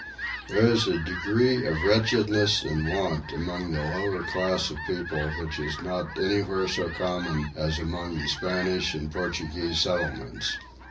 There is a degree of wretchedness and want among the lower class of people which is not anywhere so common as among the Spanish and Portuguese settlements.